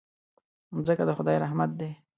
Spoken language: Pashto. مځکه د خدای رحمت دی.